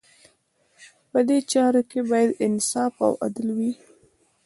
په دې چارو کې باید انصاف او عدل وي.